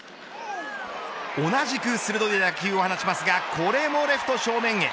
同じく鋭い打球を放ちますがこれもレフト正面へ。